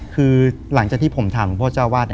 คือหลังจากที่ผมถามหลวงพ่อเจ้าวาด